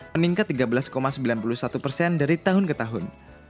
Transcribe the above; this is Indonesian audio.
meningkat tiga belas sembilan puluh satu persen dari tahun ke tahun